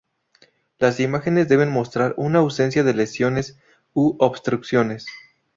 Las imágenes deberían mostrar una ausencia de lesiones u obstrucciones.